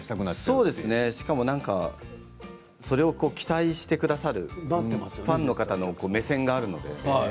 そうですねそれを期待してくださるファンの方の目線があるので。